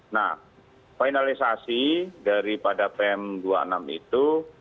nah finalisasi daripada pm dua puluh enam itu